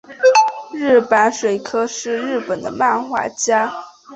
日坂水柯是日本的漫画家。